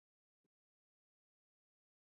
د ورځې د کار نه پس دا ډېره مهمه ده